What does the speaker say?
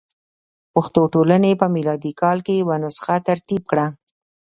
پښتو ټولنې په میلادي کال کې یوه نسخه ترتیب کړه.